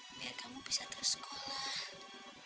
biar kamu bisa terus sekolah dulu